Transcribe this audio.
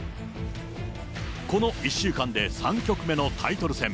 この１週間で３局目のタイトル戦。